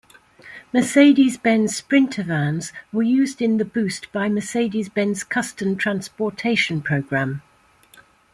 Mercedes-Benz Sprinter vans were used in the Boost by Mercedes-Benz custom transportation program.